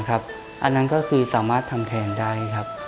อันนั้นสามารถทำแทนได้